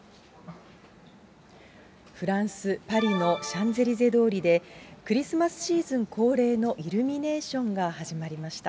フランス・パリのシャンゼリゼ通りで、クリスマスシーズン恒例のイルミネーションが始まりました。